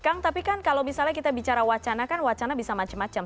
kang tapi kan kalau misalnya kita bicara wacana kan wacana bisa macam macam